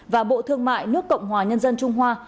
và bộ thương mại nước cộng hòa nhân dân trung hoa